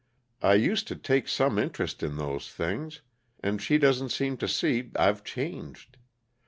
I used to take some interest in those things, and she doesn't seem to see I've changed.